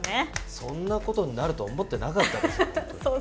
そんなことになるとは思ってなかったですよ。